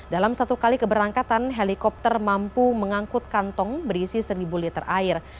dalam satu kali keberangkatan helikopter mampu mengangkut kantong berisi seribu liter air